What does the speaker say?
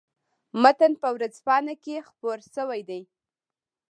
متن په ورځپاڼه کې خپور شوی دی.